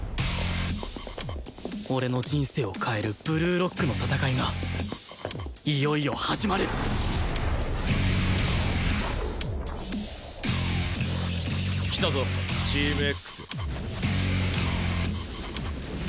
俺の人生を変えるブルーロックの戦いがいよいよ始まる！来たぞチーム Ｘ。